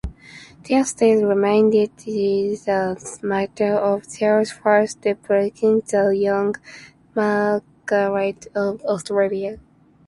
There still remained the matter of Charles' first betrothed, the young Margaret of Austria.